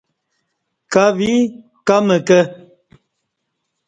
کہ وی کہ مکہ